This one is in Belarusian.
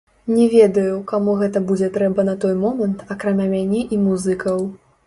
Не ведаю, каму гэта будзе трэба на той момант, акрамя мяне і музыкаў.